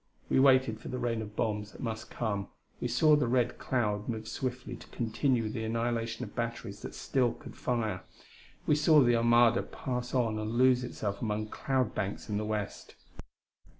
We waited for the rain of bombs that must come; we saw the red cloud move swiftly to continue the annihilation of batteries that still could fire; we saw the armada pass on and lose itself among cloud banks in the west.